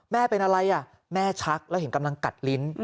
แม่เป็นอะไรแม่ชักแล้วเห็นกำลังกัดลิ้น